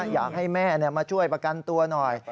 อยากให้แม่มาช่วยประกันตัวหน่อย